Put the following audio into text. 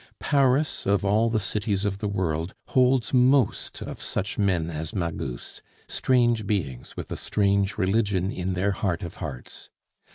Paris of all the cities of the world holds most of such men as Magus, strange beings with a strange religion in their heart of hearts.